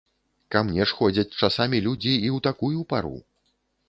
Ка мне ж ходзяць часамі людзі і ў такую пару.